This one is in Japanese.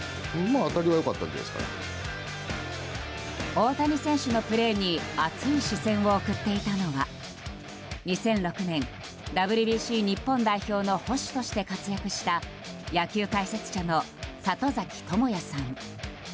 大谷選手のプレーに熱い視線を送っていたのは２００６年、ＷＢＣ日本代表の捕手として活躍した野球解説者の里崎智也さん。